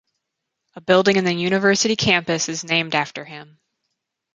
A building in the university campus is named after him.